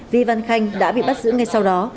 vi văn khanh đã bị bắt giữ ngay sau đó